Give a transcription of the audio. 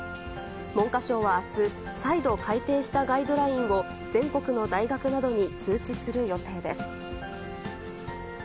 文科省はあす、再度改訂したガイドラインを全国の大学などに通知する予定です。